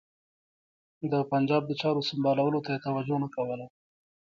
د پنجاب د چارو سمبالولو ته یې توجه نه کوله.